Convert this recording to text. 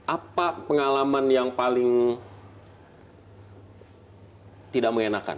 apa pengalaman yang paling tidak mengenakan